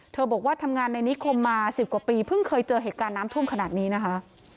บอกว่าทำงานในนิคมมา๑๐กว่าปีเพิ่งเคยเจอเหตุการณ์น้ำท่วมขนาดนี้นะคะ